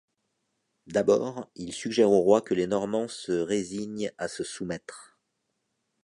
D'abord, il suggère au roi que les Normands se résignent à se soumettre.